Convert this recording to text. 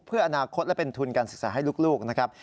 เพื่ออนาคตและเป็นทุนการศึกษาให้ลูกนะครับ